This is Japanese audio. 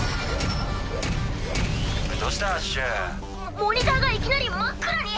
モニターがいきなり真っ暗に。